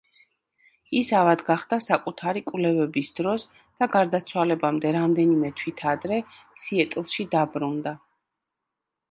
ის ავად გახდა საკუთარი კვლევების დროს და გარდაცვალებამდე რამდენიმე თვით ადრე სიეტლში დაბრუნდა.